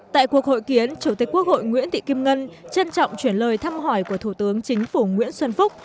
tại cuộc hội kiến chủ tịch quốc hội nguyễn thị kim ngân trân trọng chuyển lời thăm hỏi của thủ tướng chính phủ nguyễn xuân phúc